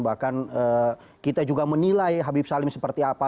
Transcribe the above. bahkan kita juga menilai habib salim seperti apa